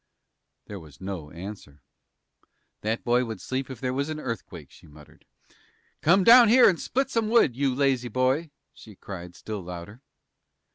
There was no answer. "That boy would sleep if there was an earthquake," she muttered. "Come down here and split some wood, you lazy boy!" she cried, still louder.